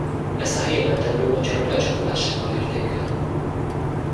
Ezt a helyén elterülő mocsarak lecsapolásával érték el.